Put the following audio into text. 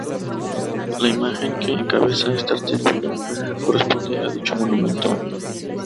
La imagen que encabeza este artículo corresponde a dicho monumento.